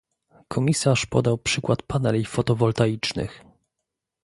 Komisarz podał przykład paneli fotowoltaicznych